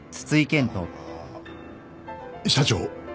あー社長。